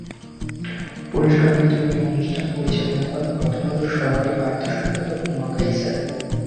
পুরস্কার বিতরণী অনুষ্ঠান পরিচালনা করেন প্রথম আলোর সহকারী বার্তা সম্পাদক ওমর কায়সার।